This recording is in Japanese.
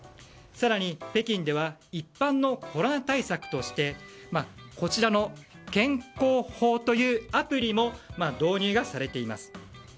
更に北京では一般のコロナ対策としてこちらの健康宝というアプリも導入されています。